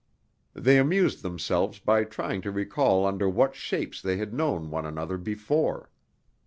They amused themselves by trying to recall under what shapes they had known one another before.